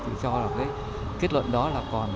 thì cho là cái kết luận đó là còn